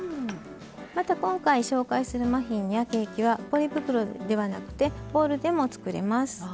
また、今回、紹介するマフィンやケーキはポリ袋ではなくてボウルでも作れます。